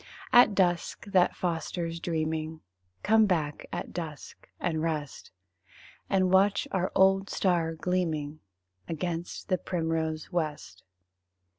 At dusk, that fosters dreaming Come back at dusk and rest, And watch our old star gleaming Against the primrose west.